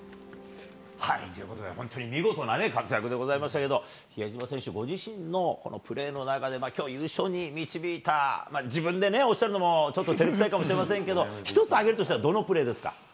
ということで、本当にみごとなね、活躍でございましたけど、比江島選手、ご自身のプレーの中で、きょう、優勝に導いた、自分でね、おっしゃるのもちょっとてれくさいかもしれませんけど、１つ挙げるとしたら、どのプレーですか？